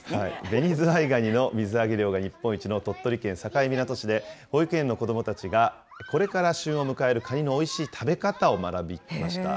ベニズワイガニの水揚げ量が日本一の鳥取県境港市で、保育園の子どもたちがこれから旬を迎えるカニのおいしい食べ方を学びました。